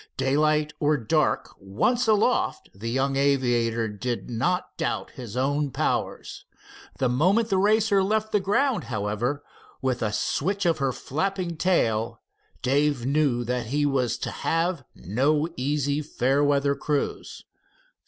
Daylight or dirk, once aloft the young aviator did not doubt his own powers. The moment the Racer left the ground, however, with a switch of her flapping tail, Dave knew that he was to have no easy fair weather cruise.